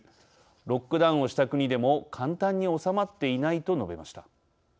ロックダウンをした国でも簡単に収まっていないと述べました。